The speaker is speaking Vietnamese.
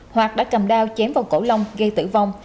hoạt đã cầm đao chém vào cổ lông gây tử vong